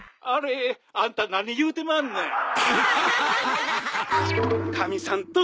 あれあんた何言うてまんねん！